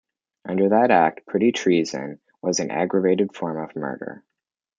Under that Act, petty treason was an aggravated form of murder.